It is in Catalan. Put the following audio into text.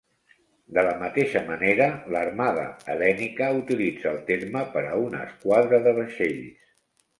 De la mateixa manera, l'armada hel·lènica utilitza el terme per a una esquadra de vaixells.